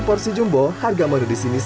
porsi jumbo harga menu di sini